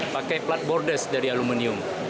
pakai plat bordes dari aluminium